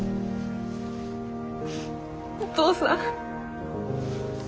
お父さん。